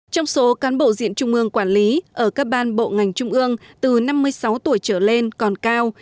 trong số cán bộ diện trung ương quản lý ở các ban bộ ngành trung ương từ năm mươi sáu tuổi trở lên còn cao